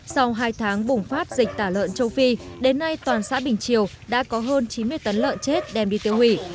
sau hai tháng bùng phát dịch tả lợn châu phi đến nay toàn xã bình triều đã có hơn chín mươi tấn lợn chết đem đi tiêu hủy